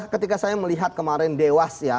ketika saya melihat kemarin dewas ya